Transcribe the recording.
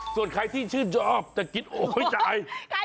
ส่วนใครที่ชื่อจ๊อบจะกินโห้ยจ้าย